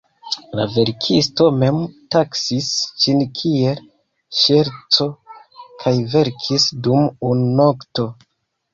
La verkisto mem taksis ĝin kiel "ŝerco" kaj verkis dum unu nokto.